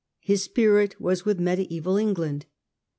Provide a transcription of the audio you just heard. His spirit was with mediaeval England.